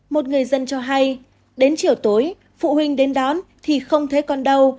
một người dân cho hay đến chiều tối phụ huynh đến đón thì không thấy con đâu